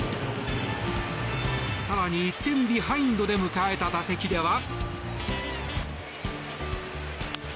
更に１点ビハインドで迎えた打席では。